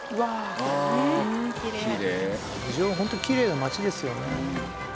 郡上はホントにきれいな町ですよね。